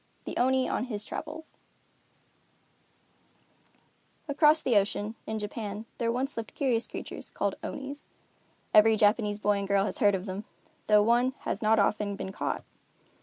THE ONI ON HIS TRAVELS Across the ocean, in Japan, there once lived curious creatures called Onis. Every Japanese boy and girl has heard of them, though one has not often been caught.